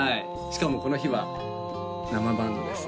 しかもこの日は生バンドです